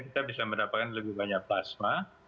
kita bisa mendapatkan lebih banyak plasma